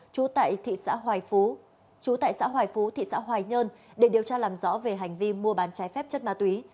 chú tại thị xã hòa phú thị xã hòa nhân để điều tra làm rõ về hành vi mua bán trái phép chất ma túy